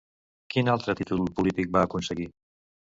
Quin altre títol polític va aconseguir?